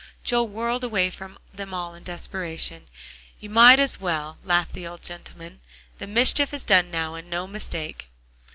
Joel whirled away from them all in desperation. "You might as well," laughed the old gentleman, "the mischief is done now, and no mistake."